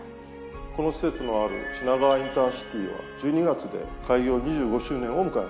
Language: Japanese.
この施設のある品川インターシティは１２月で開業２５周年を迎えます。